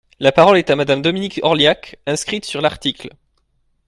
La parole est à Madame Dominique Orliac, inscrite sur l’article.